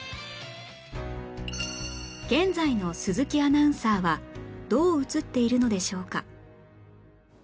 現在の鈴木アナウンサーはどう映っているのでしょうか？